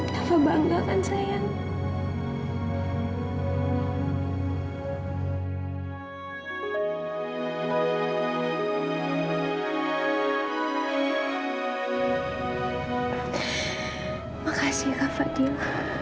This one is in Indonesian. dan kami akan berterima kasih kepada kava